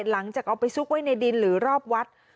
หลังจากเอาไปซุกไว้ในดินหรือรอบวัด